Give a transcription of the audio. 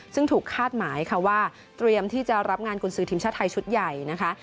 ซึ่งถูกคาดหมายค่ะว่าเตรียมที่จะรับงานกุญสือทีมชาติไทยชุดใหญ่นะคะ